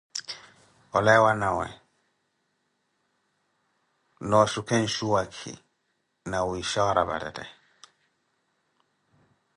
Olawe wanawe na oxhukhe nsuwaakhi, nawiixha warapalele.